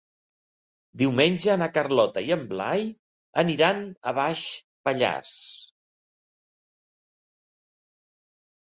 Diumenge na Carlota i en Blai aniran a Baix Pallars.